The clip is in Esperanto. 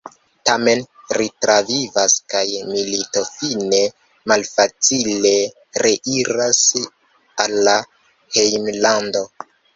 Tamen, li travivas kaj militofine malfacile reiras al la hejmlando.